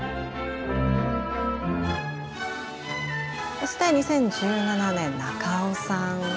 そして２０１７年中尾さん。